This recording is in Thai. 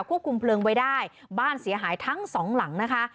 ควบคุมเพลิงไว้ได้บ้านเสียหายทั้งสองหลังนะคะ